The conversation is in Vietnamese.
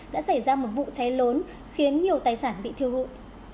đã xảy ra một vụ cháy lốn khiến nhiều tài sản bị thiêu hụi